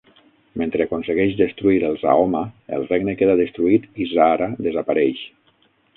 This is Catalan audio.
Mentre aconsegueix destruir els Haoma, el regne queda destruït i Zahra desapareix.